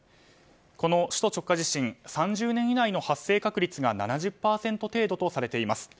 この首都直下地震３０年以内の発生確率が７０％程度とされています。